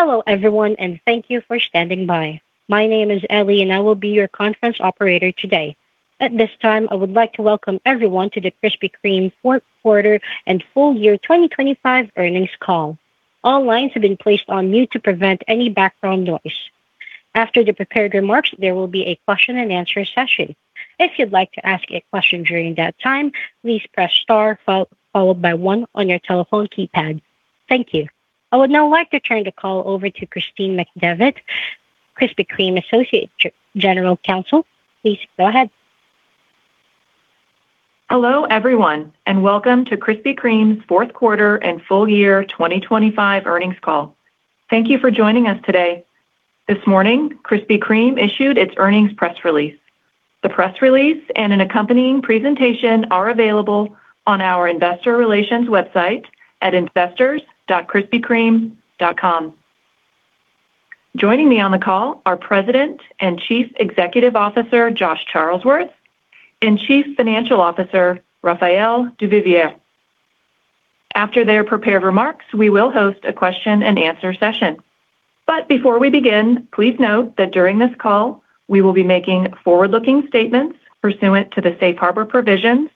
Hello, everyone, thank you for standing by. My name is Ellie, I will be your conference operator today. At this time, I would like to welcome everyone to the Krispy Kreme Fourth Quarter and Full Year 2025 Earnings Call. All lines have been placed on mute to prevent any background noise. After the prepared remarks, there will be a question and answer session. If you'd like to ask a question during that time, please press *1 on your telephone keypad. Thank you. I would now like to turn the call over to Christine McDevitt, Krispy Kreme Associate General Counsel. Please go ahead. Hello, everyone, and welcome to Krispy Kreme's fourth quarter and full year 2025 earnings call. Thank you for joining us today. This morning, Krispy Kreme issued its earnings press release. The press release and an accompanying presentation are available on our investor relations website at investors.krispykreme.com. Joining me on the call are President and Chief Executive Officer, Josh Charlesworth, and Chief Financial Officer, Raphael Duvivier. After their prepared remarks, we will host a question and answer session. Before we begin, please note that during this call, we will be making forward-looking statements pursuant to the Safe Harbor Provisions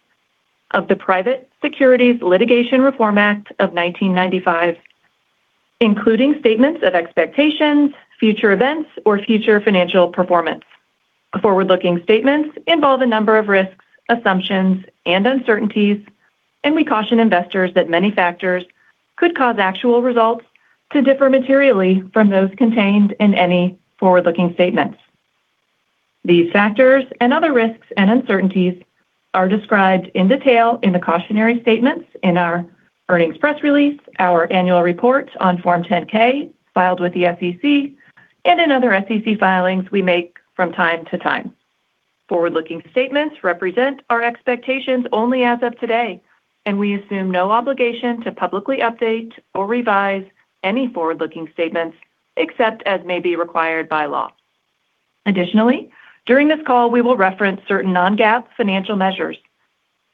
of the Private Securities Litigation Reform Act of 1995, including statements of expectations, future events, or future financial performance. Forward-looking statements involve a number of risks, assumptions, and uncertainties, and we caution investors that many factors could cause actual results to differ materially from those contained in any forward-looking statements. These factors and other risks and uncertainties are described in detail in the cautionary statements in our earnings press release, our annual reports on Form 10-K, filed with the SEC, and in other SEC filings we make from time to time. Forward-looking statements represent our expectations only as of today, and we assume no obligation to publicly update or revise any forward-looking statements except as may be required by law. Additionally, during this call, we will reference certain non-GAAP financial measures.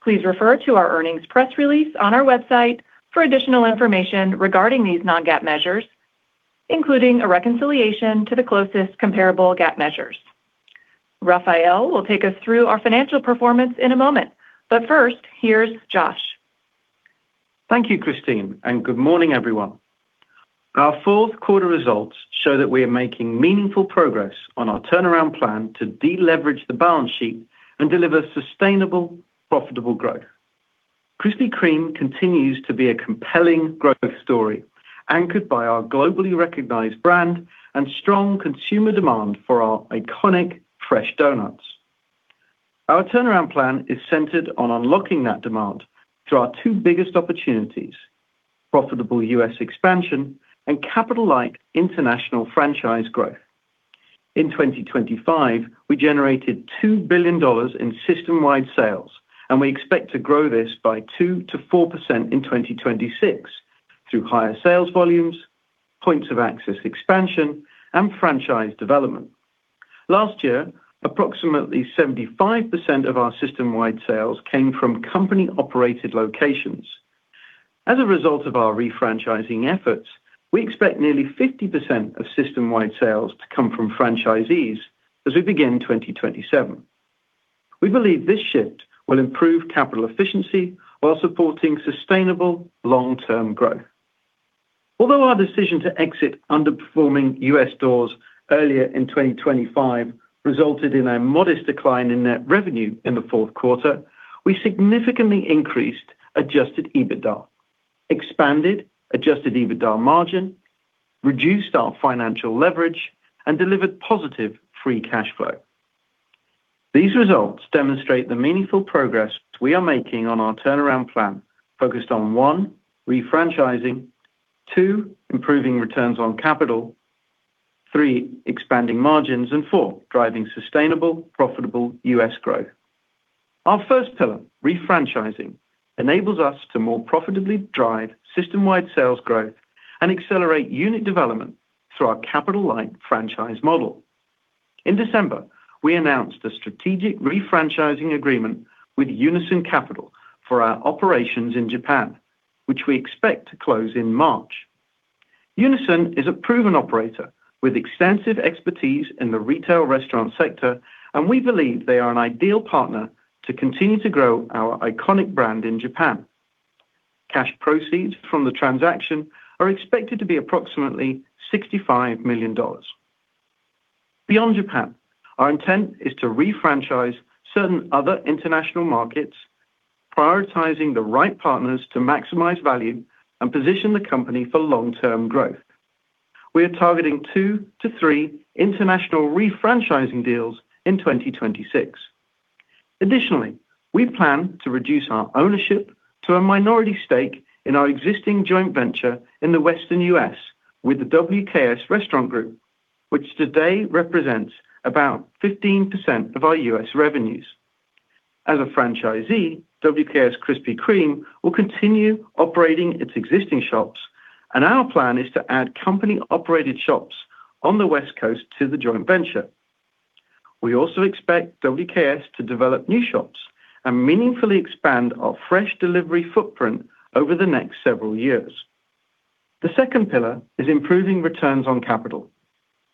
Please refer to our earnings press release on our website for additional information regarding these non-GAAP measures, including a reconciliation to the closest comparable GAAP measures. Raphael will take us through our financial performance in a moment, but first, here's Josh. Thank you, Christine, and good morning, everyone. Our fourth quarter results show that we are making meaningful progress on our turnaround plan to deleverage the balance sheet and deliver sustainable, profitable growth. Krispy Kreme continues to be a compelling growth story, anchored by our globally recognized brand and strong consumer demand for our iconic fresh doughnuts. Our turnaround plan is centered on unlocking that demand through our two biggest opportunities: profitable U.S. expansion and capital-light international franchise growth. In 2025, we generated $2 billion in system-wide sales, and we expect to grow this by 2%-4% in 2026 through higher sales volumes, points of access expansion, and franchise development. Last year, approximately 75% of our system-wide sales came from company-operated locations. As a result of our refranchising efforts, we expect nearly 50% of system-wide sales to come from franchisees as we begin 2027. We believe this shift will improve capital efficiency while supporting sustainable long-term growth. Although our decision to exit underperforming U.S. stores earlier in 2025 resulted in a modest decline in net revenue in the fourth quarter, we significantly increased adjusted EBITDA, expanded adjusted EBITDA margin, reduced our financial leverage, and delivered positive free cash flow. These results demonstrate the meaningful progress we are making on our turnaround plan, focused on, 1, refranchising, 2, improving returns on capital, 3, expanding margins, and 4, driving sustainable, profitable U.S. growth. Our first pillar, refranchising, enables us to more profitably drive system-wide sales growth and accelerate unit development through our capital-light franchise model. In December, we announced a strategic refranchising agreement with Unison Capital for our operations in Japan, which we expect to close in March. Unison Capital is a proven operator with extensive expertise in the retail restaurant sector, and we believe they are an ideal partner to continue to grow our iconic brand in Japan. Cash proceeds from the transaction are expected to be approximately $65 million. Beyond Japan, our intent is to refranchise certain other international markets, prioritizing the right partners to maximize value and position the company for long-term growth. We are targeting two to three international refranchising deals in 2026. Additionally, we plan to reduce our ownership to a minority stake in our existing joint venture in the Western U.S. with the WKS Restaurant Group, which today represents about 15% of our U.S. revenues. As a franchisee, WKS Krispy Kreme will continue operating its existing shops. Our plan is to add company-operated shops on the West Coast to the joint venture. We also expect WKS to develop new shops and meaningfully expand our fresh delivery footprint over the next several years. The second pillar is improving returns on capital.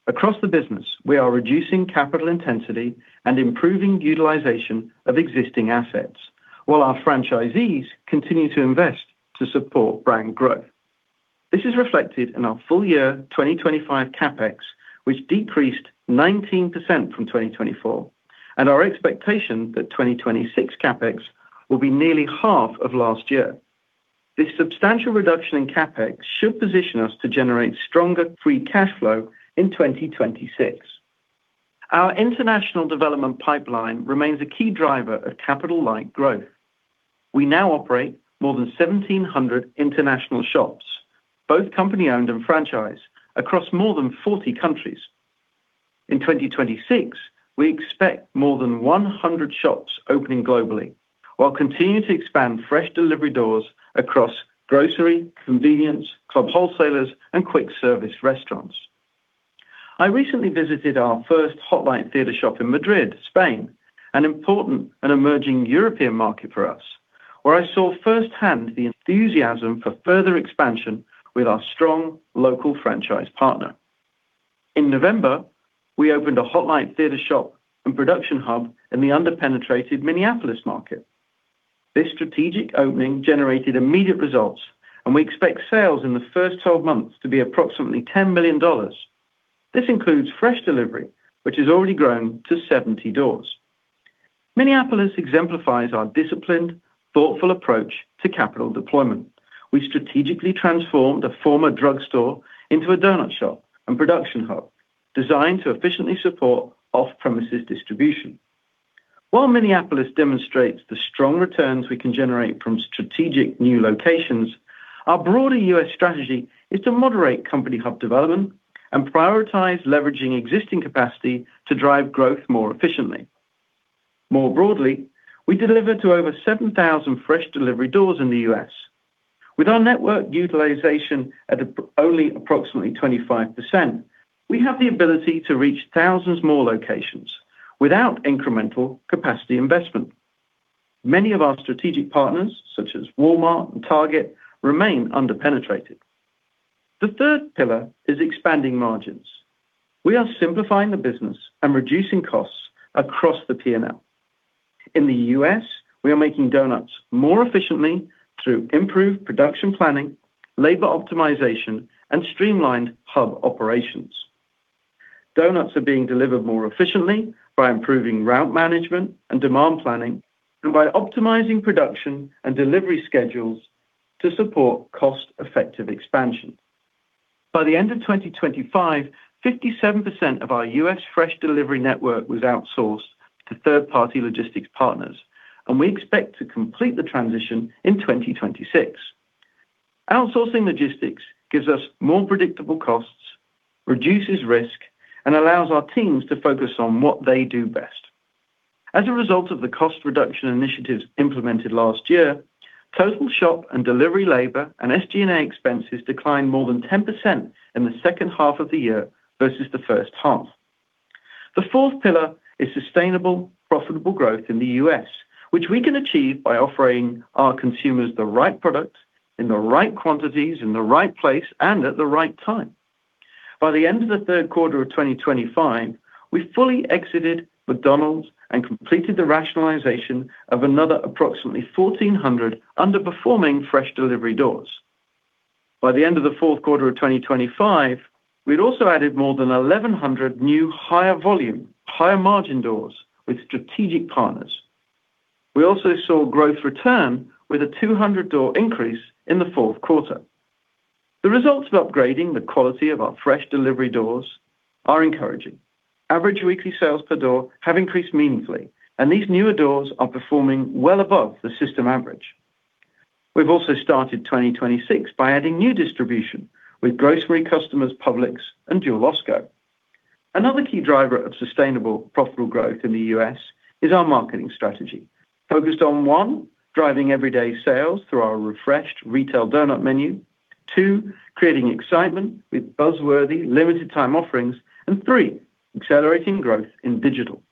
Across the business, we are reducing capital intensity and improving utilization of existing assets, while our franchisees continue to invest to support brand growth. This is reflected in our full year 2025 CapEx, which decreased 19% from 2024. Our expectation that 2026 CapEx will be nearly half of last year. This substantial reduction in CapEx should position us to generate stronger free cash flow in 2026. Our international development pipeline remains a key driver of capital-light growth. We now operate more than 1,700 international shops, both company-owned and franchise, across more than 40 countries. In 2026, we expect more than 100 shops opening globally, while continuing to expand fresh delivery doors across grocery, convenience, club wholesalers, and quick-service restaurants. I recently visited our first Hot Light Theater Shop in Madrid, Spain, an important and emerging European market for us, where I saw firsthand the enthusiasm for further expansion with our strong local franchise partner. In November, we opened a Hot Light Theater Shop and production hub in the under-penetrated Minneapolis market. This strategic opening generated immediate results, and we expect sales in the first 12 months to be approximately $10 million. This includes fresh delivery, which has already grown to 70 doors. Minneapolis exemplifies our disciplined, thoughtful approach to capital deployment. We strategically transformed a former drugstore into a doughnut shop and production hub, designed to efficiently support off-premises distribution. While Minneapolis demonstrates the strong returns we can generate from strategic new locations, our broader U.S. strategy is to moderate company hub development and prioritize leveraging existing capacity to drive growth more efficiently. More broadly, we deliver to over 7,000 fresh delivery doors in the U.S. With our network utilization at only approximately 25%, we have the ability to reach thousands more locations without incremental capacity investment. Many of our strategic partners, such as Walmart and Target, remain under-penetrated. The third pillar is expanding margins. We are simplifying the business and reducing costs across the P&L. In the U.S., we are making doughnuts more efficiently through improved production planning, labor optimization, and streamlined hub operations. Doughnuts are being delivered more efficiently by improving route management and demand planning, and by optimizing production and delivery schedules to support cost-effective expansion. By the end of 2025, 57% of our U.S. fresh delivery network was outsourced to third-party logistics partners, and we expect to complete the transition in 2026. Outsourcing logistics gives us more predictable costs, reduces risk, and allows our teams to focus on what they do best. As a result of the cost reduction initiatives implemented last year, total shop and delivery labor and SG&A expenses declined more than 10% in the second half of the year versus the first half. The fourth pillar is sustainable, profitable growth in the U.S., which we can achieve by offering our consumers the right products, in the right quantities, in the right place, and at the right time. By the end of the third quarter of 2025, we fully exited McDonald's and completed the rationalization of another approximately 1,400 underperforming fresh delivery doors. By the end of the fourth quarter of 2025, we'd also added more than 1,100 new higher volume, higher margin doors with strategic partners. We also saw growth return with a 200-door increase in the fourth quarter. The results of upgrading the quality of our fresh delivery doors are encouraging. Average weekly sales per door have increased meaningfully, and these newer doors are performing well above the system average. We've also started 2026 by adding new distribution with grocery customers, Publix and Jewel-Osco. Another key driver of sustainable, profitable growth in the U.S. is our marketing strategy, focused on, 1, driving everyday sales through our refreshed retail doughnut menu. 2, creating excitement with buzz-worthy, limited time offerings. Three, accelerating growth in digital.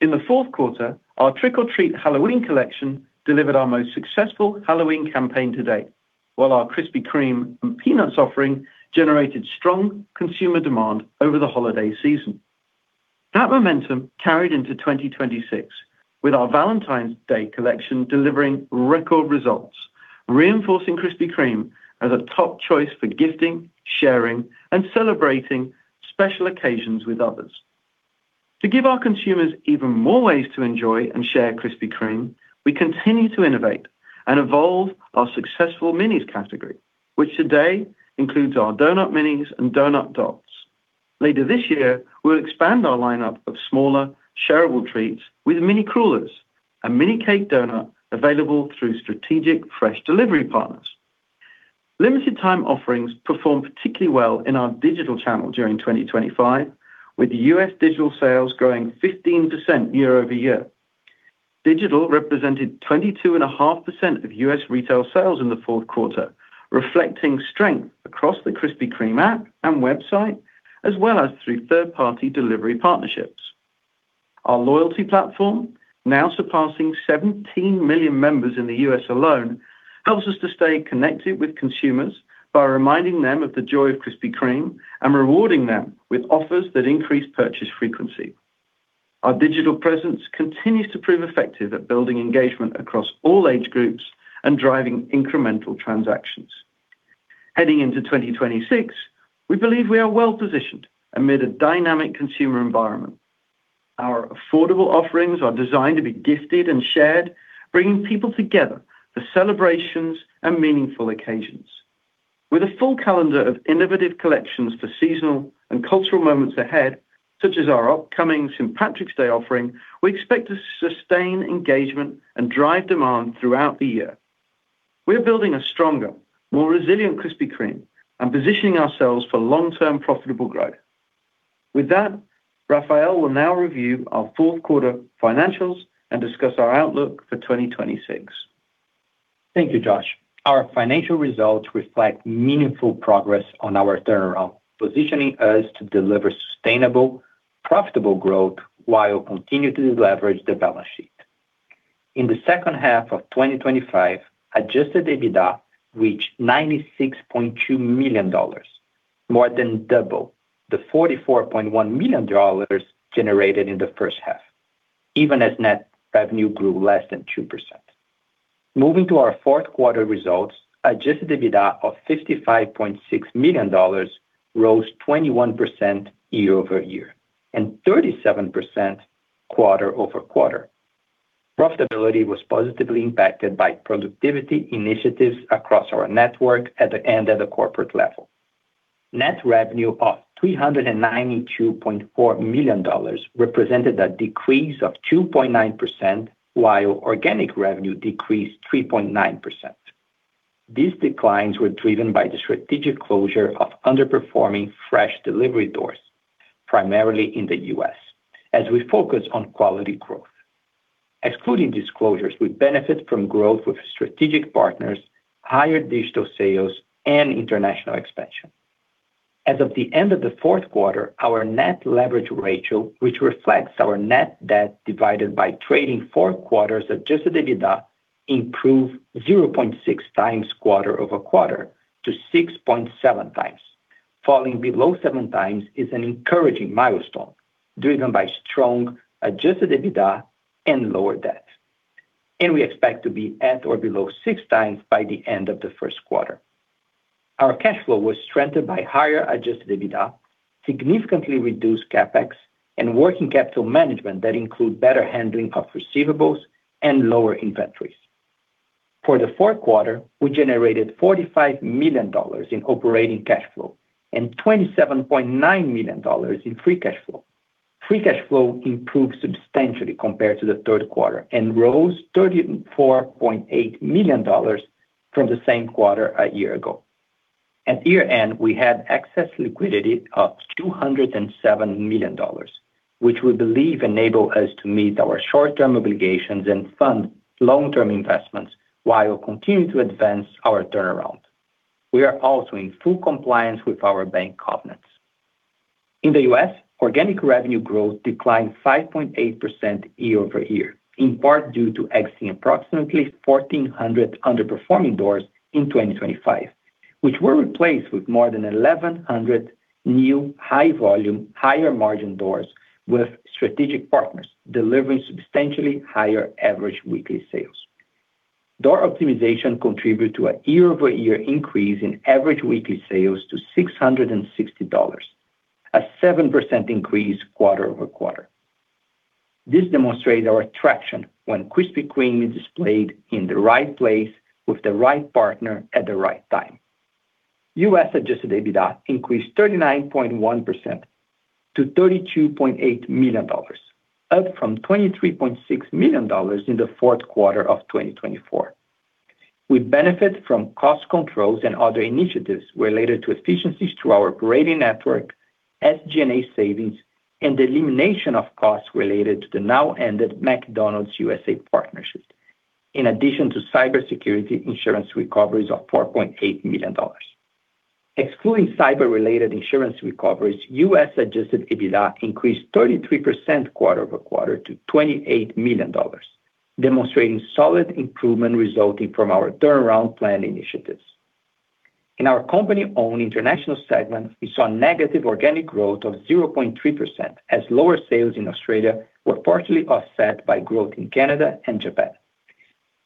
In the fourth quarter, our Trick or Treat! Collection delivered our most successful Halloween campaign to date, while our Krispy Kreme x Peanuts Collection offering generated strong consumer demand over the holiday season. That momentum carried into 2026, with our Valentine's Day Doughnut Collection delivering record results, reinforcing Krispy Kreme as a top choice for gifting, sharing, and celebrating special occasions with others. To give our consumers even more ways to enjoy and share Krispy Kreme, we continue to innovate and evolve our successful Minis category, which today includes our doughnut Minis and Doughnut Dots. Later this year, we'll expand our lineup of smaller, shareable treats with mini crullers, a mini cake doughnut available through strategic fresh delivery partners. Limited time offerings performed particularly well in our digital channel during 2025, with U.S. digital sales growing 15% year-over-year. Digital represented 22.5% of U.S. retail sales in the fourth quarter, reflecting strength across the Krispy Kreme app and website, as well as through third-party delivery partnerships. Our loyalty platform, now surpassing 17 million members in the U.S. alone, helps us to stay connected with consumers by reminding them of the joy of Krispy Kreme and rewarding them with offers that increase purchase frequency. Our digital presence continues to prove effective at building engagement across all age groups and driving incremental transactions. Heading into 2026, we believe we are well positioned amid a dynamic consumer environment. Our affordable offerings are designed to be gifted and shared, bringing people together for celebrations and meaningful occasions. With a full calendar of innovative collections for seasonal and cultural moments ahead, such as our upcoming St. Patrick's Day offering, we expect to sustain engagement and drive demand throughout the year. We are building a stronger, more resilient Krispy Kreme and positioning ourselves for long-term profitable growth. Raphael will now review our fourth quarter financials and discuss our outlook for 2026. Thank you, Josh. Our financial results reflect meaningful progress on our turnaround, positioning us to deliver sustainable, profitable growth while continuing to leverage the balance sheet. In the second half of 2025, adjusted EBITDA reached $96.2 million, more than double the $44.1 million generated in the first half, even as net revenue grew less than 2%. Moving to our fourth quarter results, adjusted EBITDA of $55.6 million rose 21% year-over-year and 37% quarter-over-quarter. Profitability was positively impacted by productivity initiatives across our network at the end of the corporate level. Net revenue of $392.4 million represented a decrease of 2.9%, while organic revenue decreased 3.9%. These declines were driven by the strategic closure of underperforming fresh delivery doors, primarily in the U.S., as we focus on quality growth. Excluding these closures, we benefit from growth with strategic partners, higher digital sales, and international expansion. As of the end of the fourth quarter, our net leverage ratio, which reflects our net debt divided by trailing four quarters adjusted EBITDA, improved 0.6x quarter-over-quarter to 6.7x. Falling below 7x is an encouraging milestone, driven by strong adjusted EBITDA and lower debt, and we expect to be at or below 6x by the end of the first quarter. Our cash flow was strengthened by higher adjusted EBITDA, significantly reduced CapEx and working capital management that include better handling of receivables and lower inventories. For the fourth quarter, we generated $45 million in operating cash flow and $27.9 million in free cash flow. Free cash flow improved substantially compared to the third quarter and rose $34.8 million from the same quarter a year ago. At year-end, we had excess liquidity of $207 million, which we believe enable us to meet our short-term obligations and fund long-term investments while continuing to advance our turnaround. We are also in full compliance with our bank covenants. In the U.S., organic revenue growth declined 5.8% year-over-year, in part due to exiting approximately 1,400 underperforming doors in 2025, which were replaced with more than 1,100 new, high volume, higher margin doors with strategic partners, delivering substantially higher average weekly sales. Door optimization contributed to a year-over-year increase in average weekly sales to $660, a 7% increase quarter-over-quarter. This demonstrates our attraction when Krispy Kreme is displayed in the right place with the right partner at the right time. U.S. adjusted EBITDA increased 39.1% to $32.8 million, up from $23.6 million in the fourth quarter of 2024. We benefit from cost controls and other initiatives related to efficiencies through our operating network, SG&A savings, and the elimination of costs related to the now-ended McDonald's USA partnership. In addition to cybersecurity insurance recoveries of $4.8 million. Excluding cyber-related insurance recoveries, U.S. adjusted EBITDA increased 33% quarter-over-quarter to $28 million, demonstrating solid improvement resulting from our turnaround plan initiatives. In our company-owned international segment, we saw negative organic growth of 0.3%, as lower sales in Australia were partially offset by growth in Canada and Japan.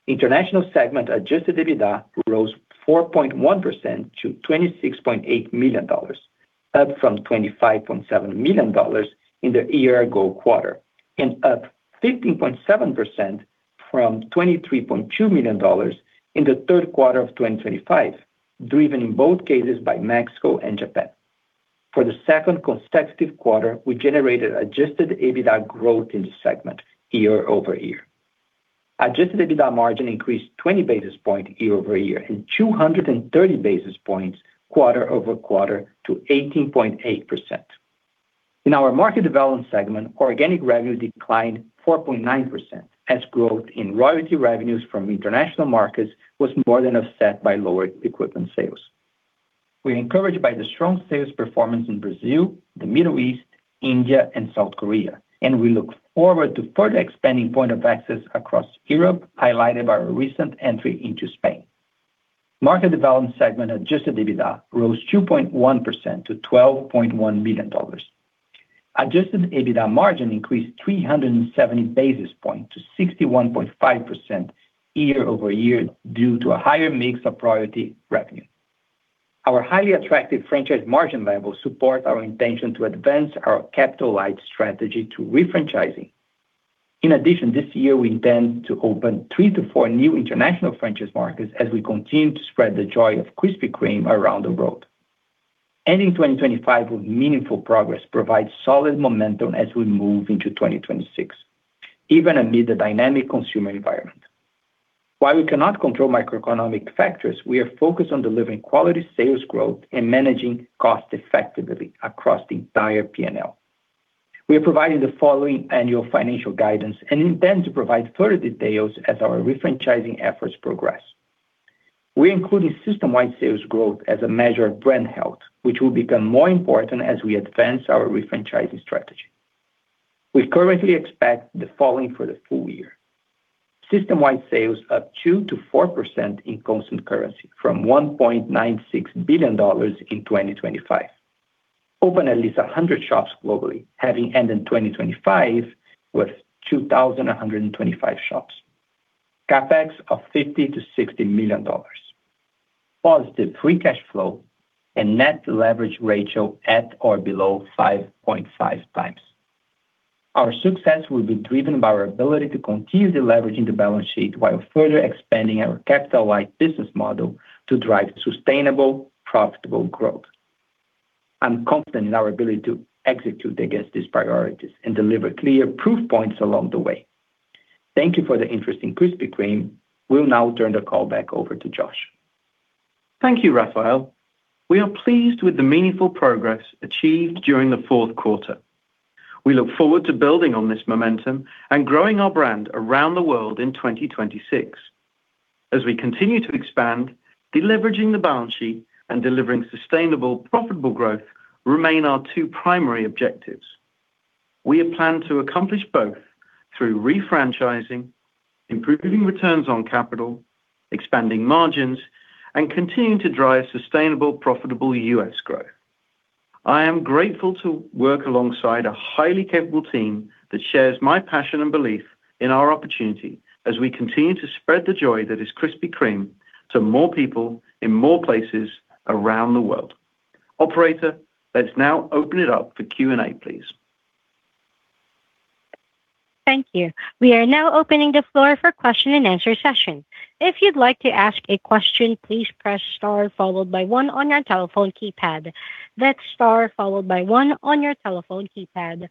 International segment adjusted EBITDA rose 4.1% to $26.8 million, up from $25.7 million in the year-ago quarter, and up 15.7% from $23.2 million in the third quarter of 2025, driven in both cases by Mexico and Japan. For the second consecutive quarter, we generated adjusted EBITDA growth in the segment year-over-year. Adjusted EBITDA margin increased 20 basis points year-over-year and 230 basis points quarter-over-quarter to 18.8%. In our market development segment, organic revenue declined 4.9% as growth in royalty revenues from international markets was more than offset by lower equipment sales. We're encouraged by the strong sales performance in Brazil, the Middle East, India, and South Korea, and we look forward to further expanding point of access across Europe, highlighted by our recent entry into Spain. Market development segment adjusted EBITDA rose 2.1% to $12.1 million. Adjusted EBITDA margin increased 370 basis points to 61.5% year-over-year due to a higher mix of priority revenue. Our highly attractive franchise margin level supports our intention to advance our capital light strategy to refranchising. In addition, this year, we intend to open 3-4 new international franchise markets as we continue to spread the joy of Krispy Kreme around the world. Ending in 2025 with meaningful progress provides solid momentum as we move into 2026, even amid the dynamic consumer environment. While we cannot control microeconomic factors, we are focused on delivering quality sales growth and managing cost effectively across the entire PNL. We are providing the following annual financial guidance and intend to provide further details as our refranchising efforts progress. We include a system-wide sales growth as a measure of brand health, which will become more important as we advance our refranchising strategy. We currently expect the following for the full year: system-wide sales up 2%-4% in constant currency from $1.96 billion in 2025. Open at least 100 shops globally, having ended 2025 with 2,125 shops. CapEx of $50 million-$60 million. Positive free cash flow and net leverage ratio at or below 5.5 times. Our success will be driven by our ability to continue deleveraging the balance sheet while further expanding our capital light business model to drive sustainable, profitable growth. I'm confident in our ability to execute against these priorities and deliver clear proof points along the way. Thank you for the interest in Krispy Kreme. We'll now turn the call back over to Josh. Thank you, Raphael. We are pleased with the meaningful progress achieved during the fourth quarter. We look forward to building on this momentum and growing our brand around the world in 2026. As we continue to expand, deleveraging the balance sheet and delivering sustainable, profitable growth remain our two primary objectives. We have planned to accomplish both through refranchising, improving returns on capital, expanding margins, and continuing to drive sustainable, profitable U.S. growth. I am grateful to work alongside a highly capable team that shares my passion and belief in our opportunity as we continue to spread the joy that is Krispy Kreme to more people in more places around the world. Operator, let's now open it up for Q&A, please. Thank you. We are now opening the floor for question and answer session. If you'd like to ask a question, please press star followed by one on your telephone keypad. That's star followed by one on your telephone keypad.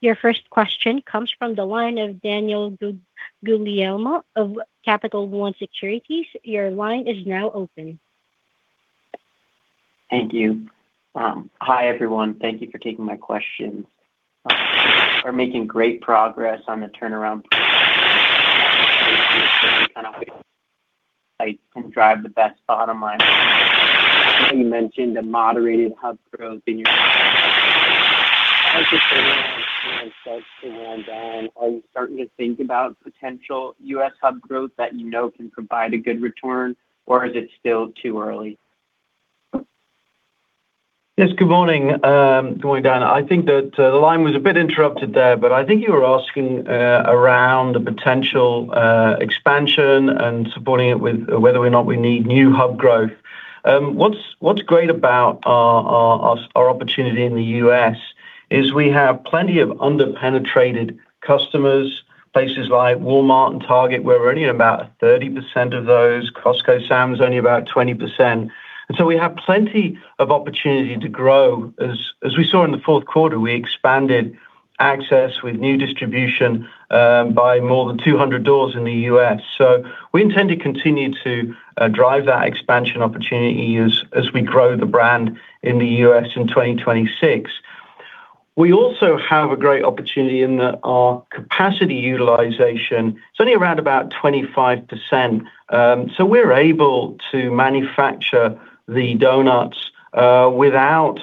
Your first question comes from the line of Daniel Guglielmi of Capital One Securities. Your line is now open. Thank you. Hi, everyone. Thank you for taking my questions. You mentioned a moderated hub growth. Are you starting to think about potential U.S. hub growth that you know can provide a good return, or is it still too early? Yes, good morning, Daniel. I think that the line was a bit interrupted there, but I think you were asking around the potential expansion and supporting it with whether or not we need new hub growth. What's great about our opportunity in the U.S. is we have plenty of under-penetrated customers, places like Walmart and Target, where we're only in about 30% of those. Costco, Sam's, only about 20%. We have plenty of opportunity to grow. As we saw in the fourth quarter, we expanded access with new distribution by more than 200 doors in the U.S. We intend to continue to drive that expansion opportunity as we grow the brand in the U.S. in 2026. We also have a great opportunity in that our capacity utilization is only around about 25%, so we're able to manufacture the doughnuts without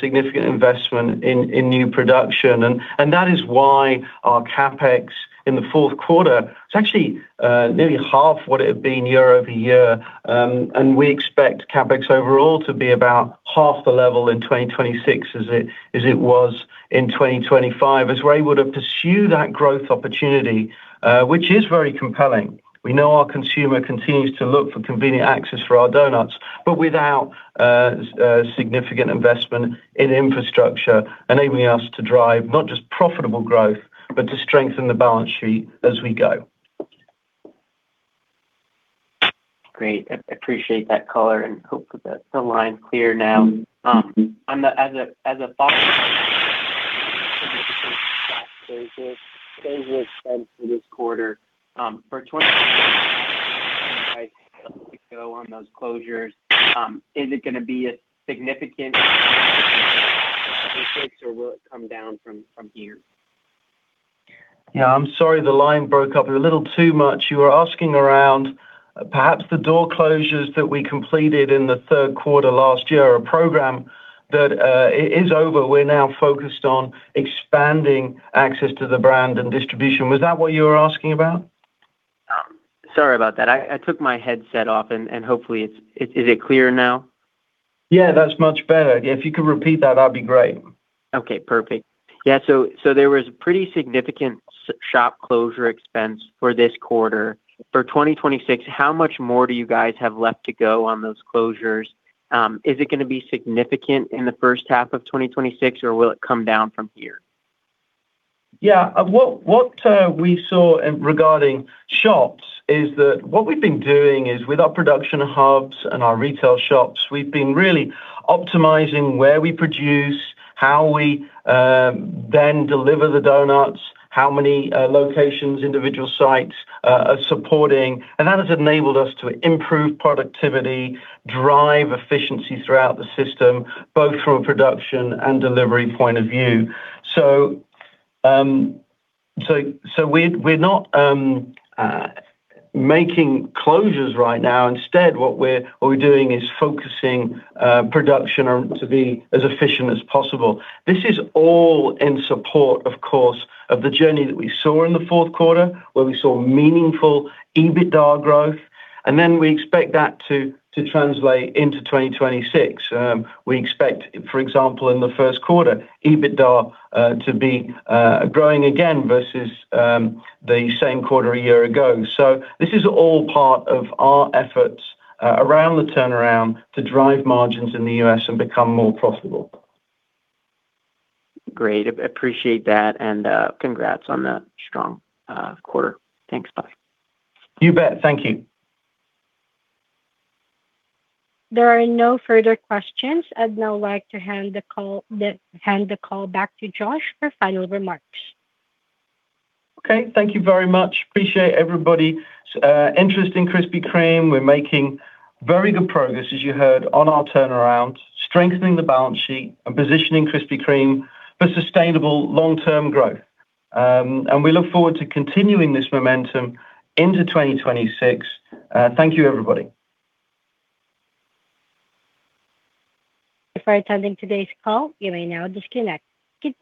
significant investment in new production. That is why our CapEx in the fourth quarter is actually nearly half what it had been year-over-year, and we expect CapEx overall to be about half the level in 2026 as it was in 2025, as we're able to pursue that growth opportunity, which is very compelling. We know our consumer continues to look for convenient access for our doughnuts, but without significant investment in infrastructure, enabling us to drive not just profitable growth, but to strengthen the balance sheet as we go. Great. I appreciate that color and hope that the line's clear now. As a follow-up, there's a spend for this quarter, for go on those closures. Is it gonna be a significant or will it come down from here? Yeah, I'm sorry, the line broke up a little too much. You were asking around, perhaps the door closures that we completed in the third quarter last year, a program that it is over. We're now focused on expanding access to the brand and distribution. Was that what you were asking about? Sorry about that. I took my headset off and hopefully, is it clear now? Yeah, that's much better. If you could repeat that'd be great. Perfect. There was pretty significant shop closure expense for this quarter. For 2026, how much more do you guys have left to go on those closures? Is it gonna be significant in the first half of 2026, or will it come down from here? What we saw in regarding shops is that what we've been doing is, with our production hubs and our retail shops, we've been really optimizing where we produce, how we then deliver the doughnuts, how many locations, individual sites, are supporting. That has enabled us to improve productivity, drive efficiency throughout the system, both from a production and delivery point of view. We're not making closures right now. Instead, what we're doing is focusing production on to be as efficient as possible. This is all in support, of course, of the journey that we saw in the fourth quarter, where we saw meaningful EBITDA growth, and then we expect that to translate into 2026. We expect, for example, in the first quarter, EBITDA to be growing again versus the same quarter a year ago. This is all part of our efforts around the turnaround to drive margins in the U.S. and become more profitable. Great. Appreciate that, and congrats on that strong quarter. Thanks. Bye. You bet. Thank you. There are no further questions. I'd now like to hand the call back to Josh for final remarks. Okay, thank you very much. Appreciate everybody, interest in Krispy Kreme. We're making very good progress, as you heard, on our turnaround, strengthening the balance sheet and positioning Krispy Kreme for sustainable long-term growth. We look forward to continuing this momentum into 2026. Thank you, everybody. Thank you for attending today's call. You may now disconnect. Goodbye.